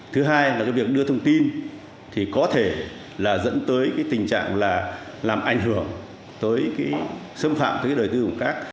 thứ hai là việc đưa thông tin có thể dẫn tới tình trạng làm ảnh hưởng xâm phạm đời tư của các